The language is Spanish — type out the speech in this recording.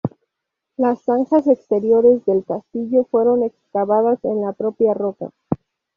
Las zanjas exteriores del castillo fueron excavadas en la propia roca.